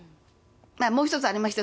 もう一つありまして、